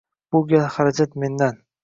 Bu gal xarajat mendan